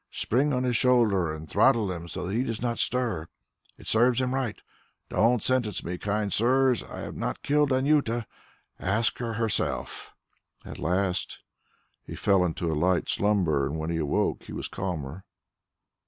Spring on his shoulder and throttle him so that he does not stir ... it serves him right. Don't sentence me, kind sirs; I have not killed Anjuta. Ask her herself." At last he fell into a light slumber, and when he awoke he was calmer.